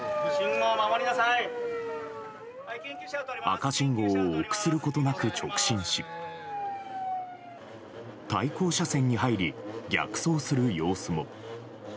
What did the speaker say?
赤信号を臆することなく直進し対向車線に入り逆走する様子も。